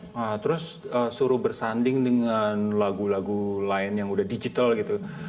nah terus suruh bersanding dengan lagu lagu lain yang udah digital gitu